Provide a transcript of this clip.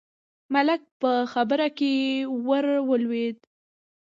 ملک په خبره کې ور ولوېد: